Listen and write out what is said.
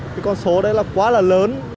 cái con số đấy là quá là lớn